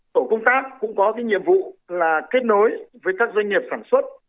tổ công tác cũng có nhiệm vụ là kết nối với các doanh nghiệp sản xuất